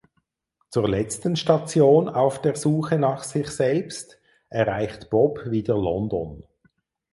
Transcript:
Zur letzten Station auf der Suche nach sich selbst erreicht Bob wieder London.